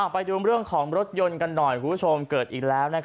ไปดูเรื่องของรถยนต์กันหน่อยคุณผู้ชมเกิดอีกแล้ว